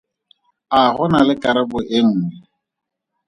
A go na le karabo e nngwe?